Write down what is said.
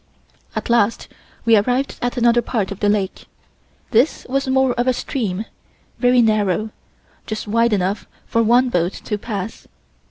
At last we arrived at another part of the lake. This was more of a stream, very narrow, just wide enough for one boat to pass.